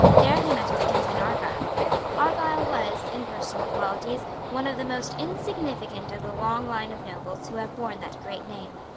There he met his kinsman Argyle. Argyle was, in personal qualities, one of the most insignificant of the long line of nobles who have borne that great name.